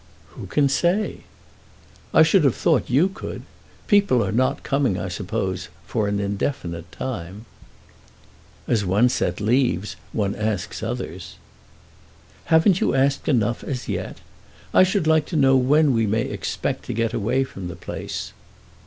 "Who can say?" "I should have thought you could. People are not coming, I suppose, for an indefinite time." "As one set leaves, one asks others." "Haven't you asked enough as yet? I should like to know when we may expect to get away from the place."